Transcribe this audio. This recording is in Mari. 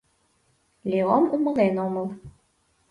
Леом умылен омыл.